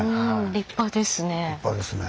立派ですね。